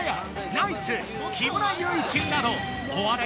ナイツ木村祐一などお笑い